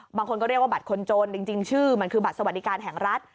บางคนก็เรียกว่าบัตรคนจนจริงชื่อมันคือบัตรสวัสดิการแห่งรัฐ